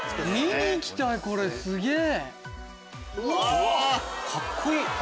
見に行きたいこれすげぇ！